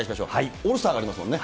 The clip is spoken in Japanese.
オールスターがありますもんね。